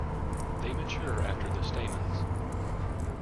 They mature after the stamens.